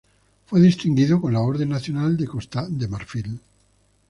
Fue distinguido con la Orden Nacional de Costa de Marfil.